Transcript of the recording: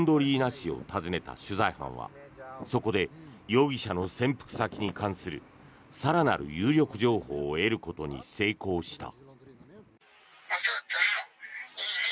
市を訪ねた取材班はそこで容疑者の潜伏先に関する更なる有力情報を得ることに成功した。